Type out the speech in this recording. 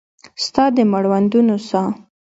ستا د مړوندونو ساه